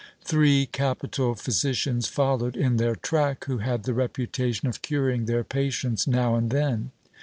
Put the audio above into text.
Three capital physi cians followed in their track, who had the reputation of curing their patients now and then.